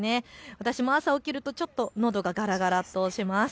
私も朝、起きるとちょっとのどががらがらします。